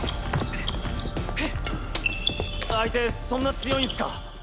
相手そんな強いんすか！？